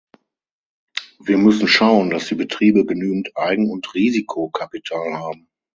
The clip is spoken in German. Wir müssen schauen, dass die Betriebe genügend Eigen- und Risikokapital haben.